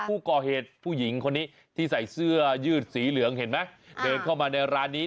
ผู้หญิงคนนี้ที่ใส่เสื้อยืดสีเหลืองเห็นไหมเดินเข้ามาในร้านนี้